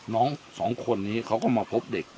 น้องสองคนนี้เขาก็มาพบเด็ก